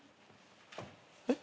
えっ？